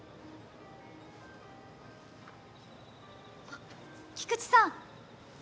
あっ菊池さん！